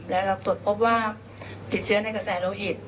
แล้วเราตรวจพบว่าติดเชื้อในกระแสโลหิต